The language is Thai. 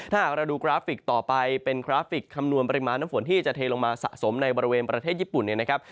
ถ้าหากเราดูกราฟิกต่อไปเป็นกราฟิกคำนวณปริมาณน้ำฝนที่จะเทลงมาสะสมในบริเวณประเทศญี่ปุ่นเนี่ยนะครับ